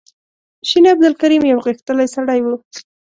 شین عبدالکریم یو غښتلی سړی و.